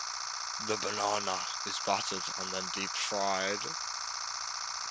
The banana is battered and then deep fried.